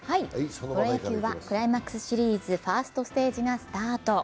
プロ野球はクライマックスシリーズファーストステージがスタート。